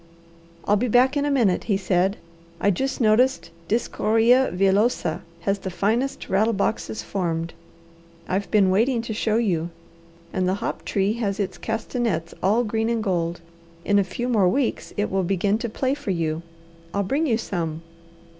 "I'll be back in a minute," he said. "I just noticed discorea villosa has the finest rattle boxes formed. I've been waiting to show you. And the hop tree has its castanets all green and gold. In a few more weeks it will begin to play for you. I'll bring you some."